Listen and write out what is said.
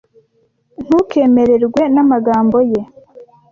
Ntukemererwe n'amagambo ye.